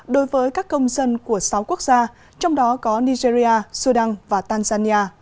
đối với các công dân của sáu quốc gia trong đó có nigeria sudan và tanzania